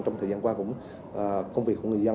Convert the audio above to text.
trong thời gian qua cũng công việc của người dân